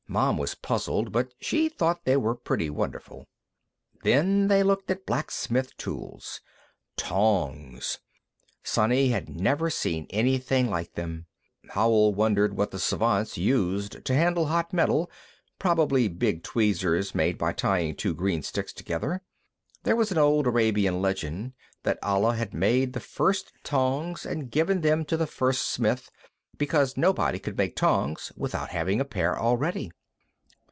Mom was puzzled, but she thought they were pretty wonderful. Then they looked at blacksmith tools. Tongs; Sonny had never seen anything like them. Howell wondered what the Svants used to handle hot metal; probably big tweezers made by tying two green sticks together. There was an old Arabian legend that Allah had made the first tongs and given them to the first smith, because nobody could make tongs without having a pair already.